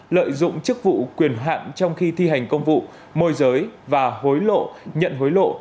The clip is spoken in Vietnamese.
lợi dụng chức vụ quyền hạn trong khi thi hành công vụ môi giới và hối lộ nhận hối lộ